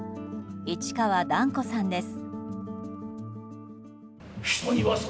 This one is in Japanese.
市川團子さんです。